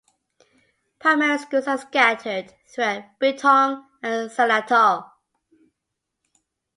Primary schools are scattered throughout Betong and Saratok.